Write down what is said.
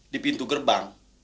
di pintu gerbang